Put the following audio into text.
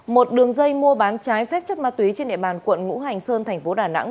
một đường dây mua bán trái phép chất ma túy trên địa bàn quận ngũ hành sơn thành phố đà nẵng